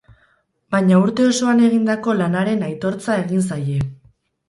Baina urte osoan egindako lanaren aitortza egin zaie.